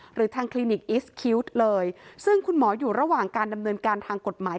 หรือทางคลินิกอิสคิวตเลยซึ่งคุณหมออยู่ระหว่างการดำเนินการทางกฎหมาย